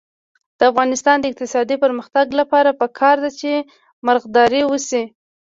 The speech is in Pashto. د افغانستان د اقتصادي پرمختګ لپاره پکار ده چې مرغداري وشي.